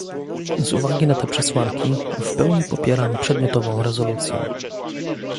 Z uwagi na te przesłanki, w pełni popieram przedmiotową rezolucję